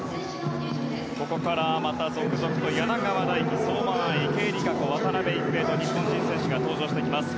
ここからまた続々と柳川大樹相馬あい、池江璃花子渡辺一平と日本人選手が登場してきます。